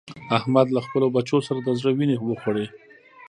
احمد له خپلو بچو سره د زړه وينې وخوړې.